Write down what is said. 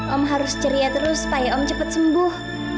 om harus ceria terus supaya om cepat sembuh